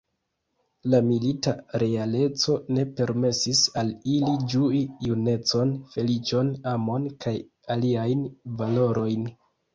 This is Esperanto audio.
La milita realeco ne permesis al ili ĝui junecon, feliĉon, amon kaj aliajn valorojn.